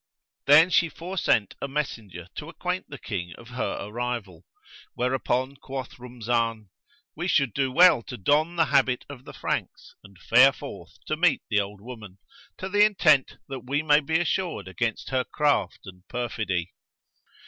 Then she foresent a messenger to acquaint the King of her arrival, whereupon quoth Rumzan, "We should do well to don the habit of the Franks and fare forth to meet the old woman, to the intent that we may be assured against her craft and perfidy."